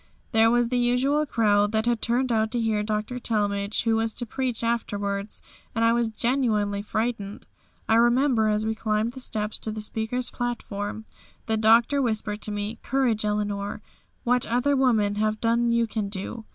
There was the usual crowd that had turned out to hear Dr. Talmage who was to preach afterwards, and I was genuinely frightened. I remember as we climbed the steps to the speaker's platform, the Doctor whispered to me, "Courage, Eleanor, what other women have done you can do."